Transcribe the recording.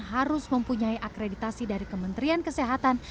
harus mempunyai akreditasi dari kementerian kesehatan